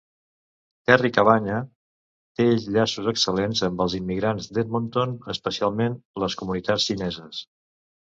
Terry Cavanagh té llaços excel·lents amb els immigrants d'Edmonton, especialment les comunitats xineses.